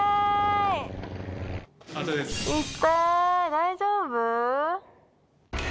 大丈夫？